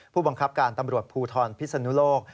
ผู้บังคับการตำรวจภูทรพิศนุโลก